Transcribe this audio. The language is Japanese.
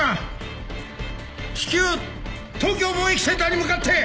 至急東京貿易センターに向かって！